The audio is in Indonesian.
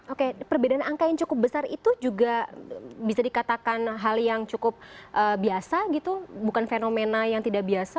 oke perbedaan angka yang cukup besar itu juga bisa dikatakan hal yang cukup biasa gitu bukan fenomena yang tidak biasa